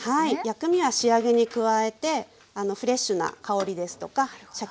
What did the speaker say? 薬味は仕上げに加えてフレッシュな香りですとかシャキッとした食感